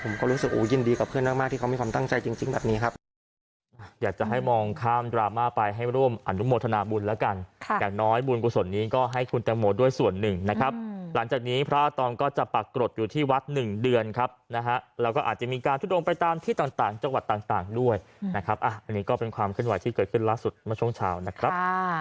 ความรู้สึกยินดีกับเพื่อนมากที่เขามีความตั้งใจจริงแบบนี้ครับ